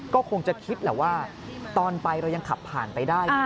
ก็คงจะคิดแหละว่าตอนไปเรายังขับผ่านไปได้